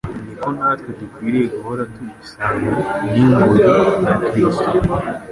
niko natwe dukwiriye guhora turi isanga n'ingoyi na Kristo,